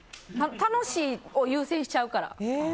楽しいを優先しちゃうから。